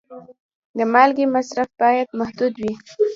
د مالګې مصرف باید محدود وي.